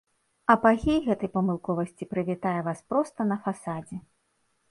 Апагей гэтай памылковасці прывітае вас проста на фасадзе.